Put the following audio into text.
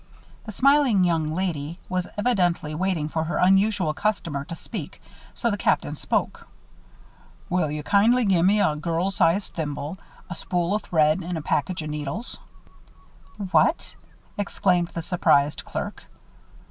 The smiling young lady was evidently waiting for her unusual customer to speak, so the Captain spoke. "Will you kindly gimme a girl's size needle, a spool o' thread, an' a package o' thimbles." "What!" exclaimed the surprised clerk.